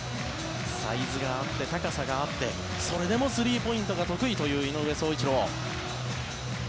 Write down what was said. サイズがあって高さがあってそれでもスリーポイントが得意という井上宗一郎。